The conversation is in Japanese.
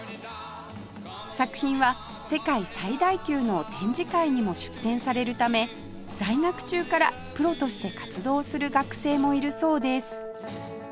作品は世界最大級の展示会にも出展されるため在学中からプロとして活動する学生もいるそうです